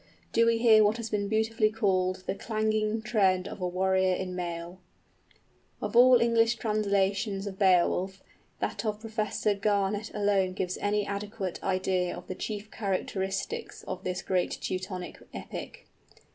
Do we hear what has been beautifully called "the clanging tread of a warrior in mail"? [viii] Of all English translations of Beowulf, that of Professor Garnett alone gives any adequate idea of the chief characteristics of this great Teutonic epic.